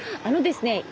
あのですね